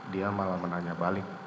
dia malah menanya balik